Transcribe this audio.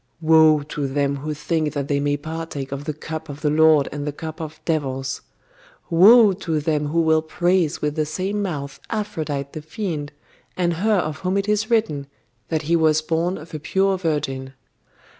Woe to them who think that they may partake of the cup of the Lord and the cup of devils. Woe to them who will praise with the same mouth Aphrodite the fiend, and her of whom it is written that He was born of a pure Virgin.